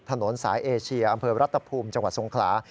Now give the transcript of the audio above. ถนนสายเอเชียอำเภอรัตภูมิจังหวัดสงขลา